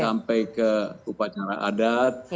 sampai ke upacara adat